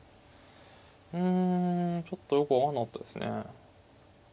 うんちょっとよく分かんなかったですね。